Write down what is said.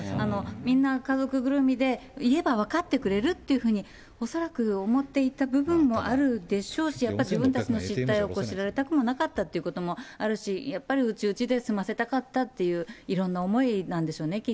みんな家族ぐるみで、言えば分かってくれるっていうふうに、恐らく思っていた部分もあるでしょうし、自分たちの失態を知られなくもなかったというのもあるだろうし、やっぱり、うちうちで済ませたかったっていういろんな思いなんでしょうね、